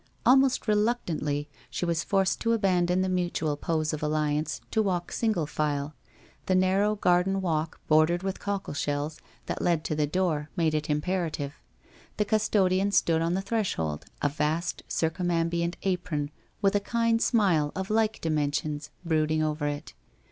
Almost reluctantly, she was forced to abandon the mutual pose of alliance to walk single file. The narrow garden walk bordered with cockleshells that led to the door made it imperative. The custodian stood on the threshold, a vast circumambient apron with a kind smile of like dimensions brooding over it.